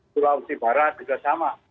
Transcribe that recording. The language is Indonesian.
sulawesi barat juga sama